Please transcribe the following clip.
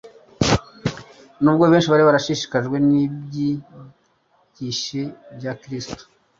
Nubwo benshi bari barashishikajwe n'ibyigishe bya Kristo,